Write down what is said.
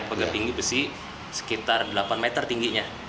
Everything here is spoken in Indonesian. pagar tinggi besi sekitar delapan meter tingginya